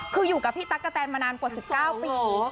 คืออยู่กับพี่ตั๊กกะแตนมานานกว่า๑๙ปี